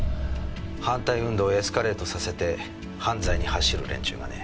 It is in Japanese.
反対運動をエスカレートさせて犯罪に走る連中がね。